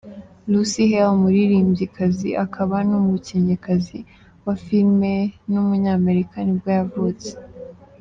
Lucy Hale, umuririmbyikazi akaba n’umukinnyikazi wa filime w’umunyamerika nibwo yvutse.